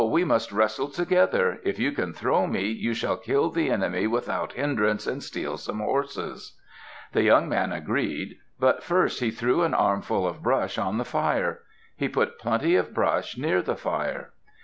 we must wrestle together. If you can throw me, you shall kill the enemy without hindrance and steal some horses." The young man agreed. But first he threw an armful of brush on the fire. He put plenty of brush near the fire.